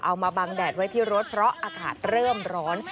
เอามาบังแดดไว้ที่รถเพราะอากาศเริ่มร้อน